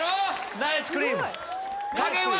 ナイスクリーム！